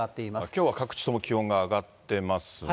きょうは各地とも気温が上がってますね。